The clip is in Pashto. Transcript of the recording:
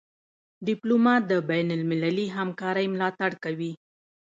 ډيپلومات د بینالمللي همکارۍ ملاتړ کوي.